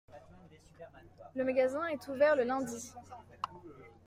Le magasin est ouvert le lundi.